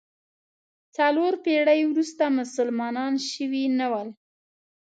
څلور پېړۍ وروسته مسلمانان شوي نه ول.